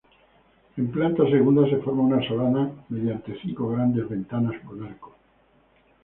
En planta segunda se forma una solana mediante cinco grandes ventanas con arcos.